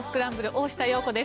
大下容子です。